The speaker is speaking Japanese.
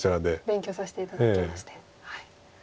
勉強させて頂きまして。